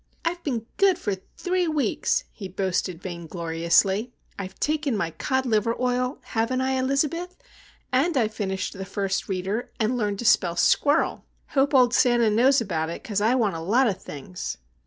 — "I've been good for three weeks," he boasted vaingloriously. "I've taken my cod liver oil,—haven't I, Elizabeth? And I've finished the First Reader, and learned to spell squirrel! Hope old Santa knows about it, 'cause I want a lot o' things!"